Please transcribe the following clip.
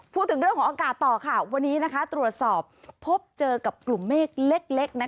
พูดถึงเรื่องของอากาศต่อค่ะวันนี้ตรวจสอบพบเจอกับกลุ่มเมฆเล็ก